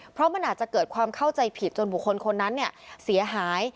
เพราะมันอาจจะเกิดความเข้าใจผิดจนบุคคลคนนั้นเสียหาย